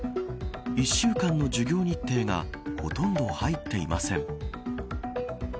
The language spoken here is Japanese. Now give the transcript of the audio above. １週間の授業日程がほとんど入っていません。